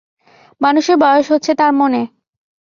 মানুষের বয়স হচ্ছে তার মনে।